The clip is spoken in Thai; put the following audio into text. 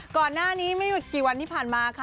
ก่อนหน้านี้ไม่กี่วันที่ผ่านมาค่ะ